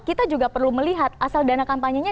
kita juga perlu melihat asal dana kampanye nya